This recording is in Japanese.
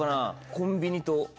コンビニと。